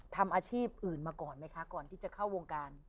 ทำอาชีพอื่นมาก่อนไหมคะก่อนที่จะเข้าวงการ